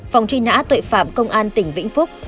phòng chuyên án tội phạm công an tỉnh vĩnh phúc